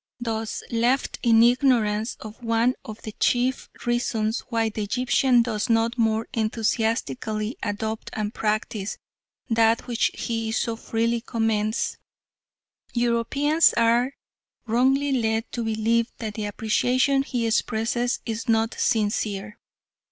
Thus, left in ignorance of one of the chief reasons why the Egyptian does not more enthusiastically adopt and practise that which he so freely commends, Europeans are wrongly led to believe that the appreciation he expresses is not sincere.